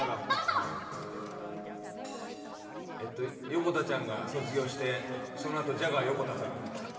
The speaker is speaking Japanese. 横田ちゃんが卒業してそのあと、ジャガー横田さんが来た